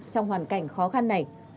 trong hoàn cảnh khó khăn này